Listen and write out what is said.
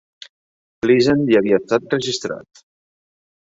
Pleasant ja havia estat registrat.